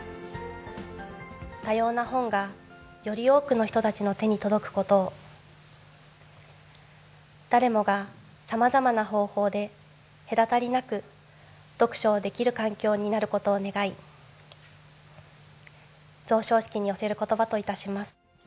多様な本がより多くの人たちの手に届くことを、誰もがさまざまな方法で隔たりなく読書をできる環境になることを願い、贈賞式に寄せることばといたします。